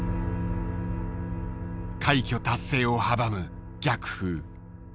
快挙達成を阻む逆風。